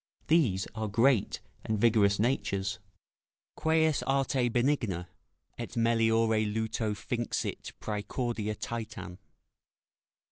These are great and vigorous natures, "Queis arte benigna Et meliore luto finxit praecordia Titan."